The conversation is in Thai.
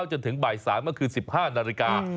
จนถึงบ่าย๓ก็คือ๑๕นาฬิกา